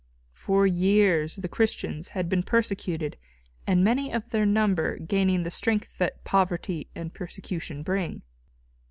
For years the Christians had been persecuted and many of their number gaining the strength that poverty and persecution bring.